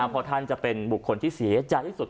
เพราะท่านจะเป็นบุคคลที่เสียใจที่สุด